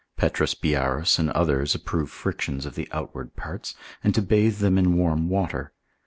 P. Byarus and others approve frictions of the outward parts, and to bathe them with warm water.